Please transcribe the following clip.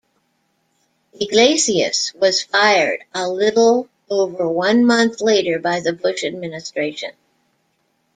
Iglesias was fired a little over one month later by the Bush Administration.